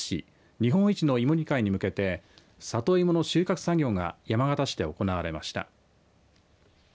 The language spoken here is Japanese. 日本一の芋煮会に向けて里芋の収穫作業が山形市で行われました。